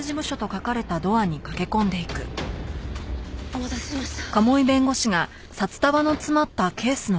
お待たせしました。